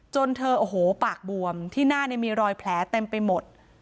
จนเธอโอ้โหปากบวมที่หน้ามีรอยแผลเต็มไปหมด